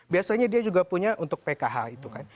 biasanya dia juga punya untuk pkh itu kan